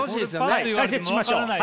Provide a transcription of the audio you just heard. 解説しましょう。